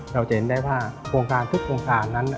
เราจะเห็นได้ว่าโครงการทุกโครงการนั้น